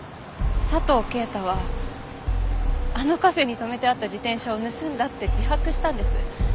佐藤啓太はあのカフェに止めてあった自転車を盗んだって自白したんです。